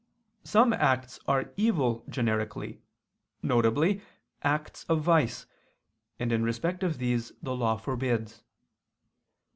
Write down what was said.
Some acts are evil generically, viz. acts of vice, and in respect of these the law forbids.